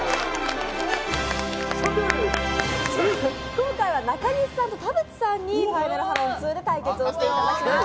今回は中西さんと田渕さんに「ファイナルハロン２」対決をしていただきます。